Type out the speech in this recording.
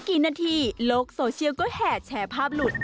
กี่นาทีโลกโซเชียลก็แห่แชร์ภาพหลุด